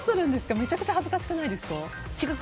めちゃくちゃ恥ずかしくないですか？